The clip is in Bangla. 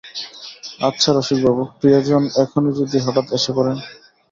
আচ্ছা রসিকবাবু, প্রিয়জন এখনই যদি হঠাৎ এসে পড়েন?